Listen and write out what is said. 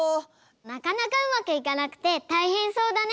なかなかうまくいかなくてたいへんそうだね。